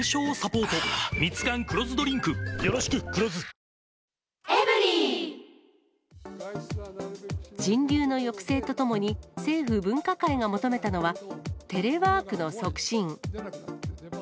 一方、人流の抑制とともに、政府分科会が求めたのはテレワークの促進。